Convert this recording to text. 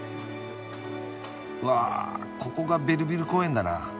わここがベルヴィル公園だな。